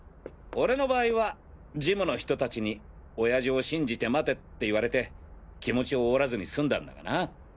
俺の場合はジムの人達に「親父を信じて待て」って言われて気持ちを折らずに済んだんだがな。